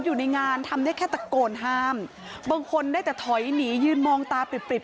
อยู่ในงานทำได้แค่ตะโกนห้ามบางคนได้แต่ถอยหนียืนมองตาปริบปริบ